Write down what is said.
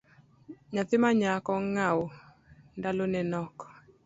Nyathi manyako ng’aw ndalone nok